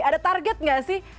ada target gak sih